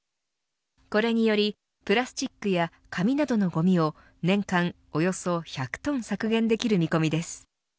これによりプラスチックや紙などのごみを年間およそ１００トン削減できる見込みです。